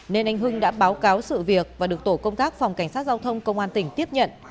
nên anh hưng đã báo cáo sự việc và được tổ công tác phòng cảnh sát giao thông công an tỉnh tiếp nhận